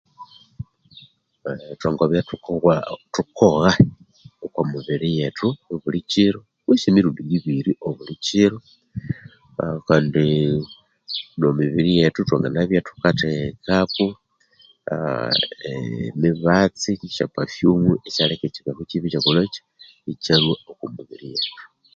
Thwangabya thukogha okumibiri yethu obulikyilhu kutse mirundi ibiri obulikyilhu Kandi nemibiri yethu ithwanganabyaa thukathekako emibatsi kutse esya pafyumu isyaleka ekibeho kibi ikyalhwaa okwamibiri yethu